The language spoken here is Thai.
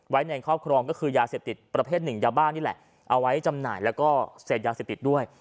ไว้ในครอบครองก็คือยาเสพติดประเภทหนึ่งยาบ้านี่แหละเอาไว้จำหน่ายแล้วก็เสพยาเสพติดด้วย